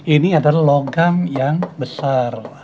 ini adalah logam yang besar